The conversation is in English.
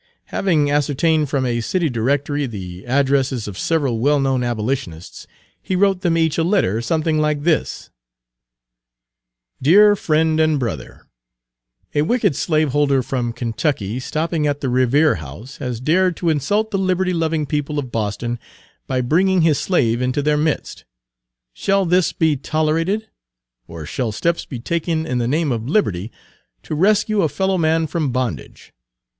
Having ascertained from a city directory the addresses of several well known abolitionists, he wrote them each a letter something like this: Page 186 DEAR FRIEND AND BROTHER: A wicked slaveholder from Kentucky, stopping at the Revere House, has dared to insult the liberty loving people of Boston by bringing his slave into their midst. Shall this be tolerated? Or shall steps be taken in the name of liberty to rescue a fellow man from bondage?